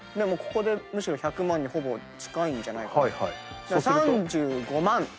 ここでむしろ１００万にほぼ近いんじゃないかな。